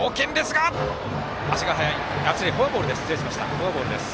フォアボールです。